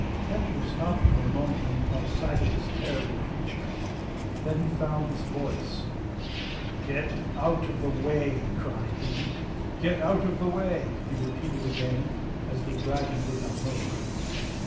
Petru stopped for a moment when he caught sight of this terrible creature. Then he found his voice. 'Get out of the way!' cried he. 'Get out of the way!' he repeated again, as the dragon did not move.